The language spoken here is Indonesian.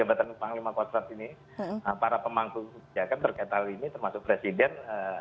jabatan panglima kostrat ini para pemangku ya kan berkaitan ini termasuk presiden